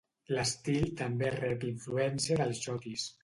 L'estil també rep influència del xotis.